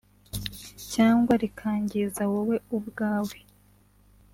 cyangwa rikangiza wowe ubwawe